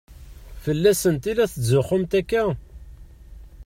Fell-asent i la tetzuxxumt akka?